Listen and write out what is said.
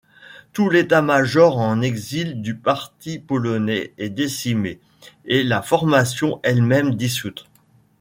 Tout l'état-major en exil du parti polonais est décimé, et la formation elle-même dissoute.